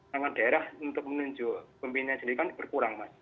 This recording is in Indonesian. tanggapan daerah untuk menunjuk pimpinan diri kan berkurang mas